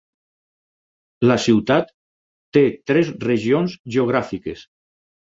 La ciutat té tres regions geogràfiques.